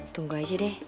tunggu aja deh